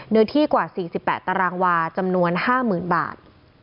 ในที่กว่า๔๘ตารางวาจำนวน๕หมื่นบาท